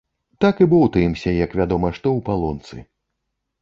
Так і боўтаемся як вядома што ў палонцы.